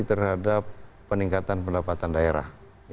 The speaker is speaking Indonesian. terhadap peningkatan pendapatan daerah